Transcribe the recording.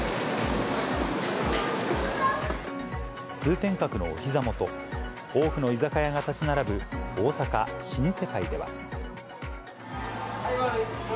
通天閣のおひざ元、多くの居酒屋が建ち並ぶ大阪・新世界では。